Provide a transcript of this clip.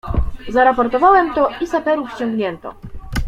"Zaraportowałem to i saperów ściągnięto."